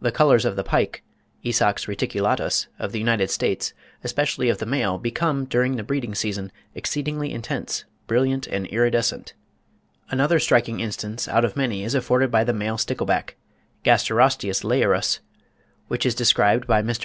The colours of the pike (Esox reticulatus) of the United States, especially of the male, become, during the breeding season, exceedingly intense, brilliant, and iridescent. (24. 'The American Agriculturalist,' 1868, p. 100.) Another striking instance out of many is afforded by the male stickleback (Gasterosteus leiurus), which is described by Mr. Warington (25.